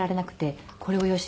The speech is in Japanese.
これをよし！